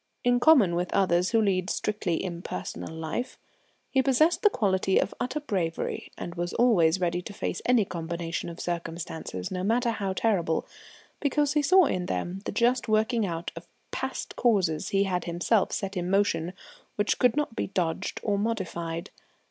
In common with others who lead a strictly impersonal life, he possessed the quality of utter bravery, and was always ready to face any combination of circumstances, no matter how terrible, because he saw in them the just working out of past causes he had himself set in motion which could not be dodged or modified.